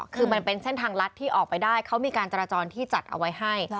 คือมันเป็นเส้นทางลัดที่ออกไปได้เขามีการจราจรที่จัดเอาไว้ให้